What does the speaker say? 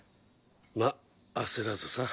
まあ焦らずさ。